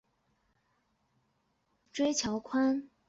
作者是椎桥宽。